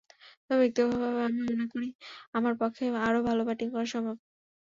তবে ব্যক্তিগতভাবে আমি মনে করি, আমার পক্ষে আরও ভালো ব্যাটিং করা সম্ভব।